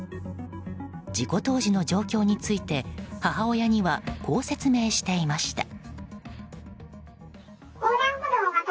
事故当時の状況について母親にはこう説明していました。